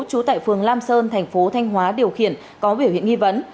trú tại phường lam sơn thành phố thanh hóa điều khiển có biểu hiện nghi vấn